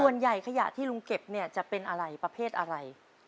ขยะที่ลุงเก็บเนี่ยจะเป็นอะไรประเภทอะไร